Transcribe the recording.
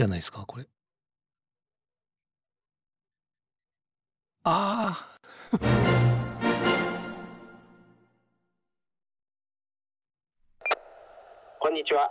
これあこんにちは